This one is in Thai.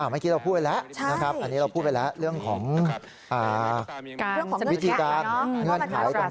เมื่อกี้เราพูดไปแล้วเรื่องของวิธีการเงื่อนไขต่าง